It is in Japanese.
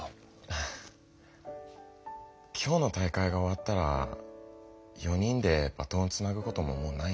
ハァ今日の大会が終わったら４人でバトンをつなぐことももうないんだよな。